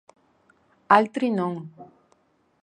Altri non.